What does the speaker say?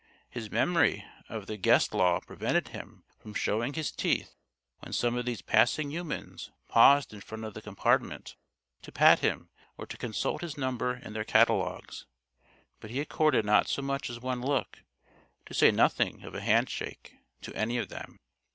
His memory of the Guest Law prevented him from showing his teeth when some of these passing humans paused in front of the compartment to pat him or to consult his number in their catalogues. But he accorded not so much as one look to say nothing of a handshake to any of them.